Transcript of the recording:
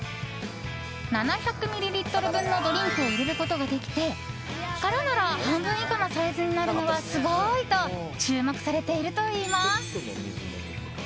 ７００ミリリットル分のドリンクを入れることができて空なら半分以下のサイズになるのは、すごいと注目されているといいます。